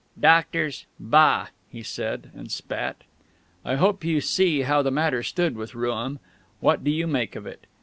"Doctors?... Bah!" he said, and spat. I hope you see how the matter stood with Rooum. What do you make of it?